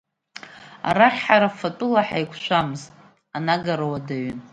Арахь ҳара фатәыла ҳаиқәшәамызт, анагара уадаҩын.